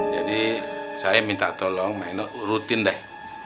jadi saya minta tolong maenok urutin deh